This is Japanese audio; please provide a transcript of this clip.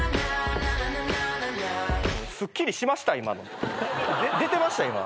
すっきりしました？